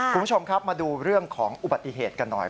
คุณผู้ชมครับมาดูเรื่องของอุบัติเหตุกันหน่อย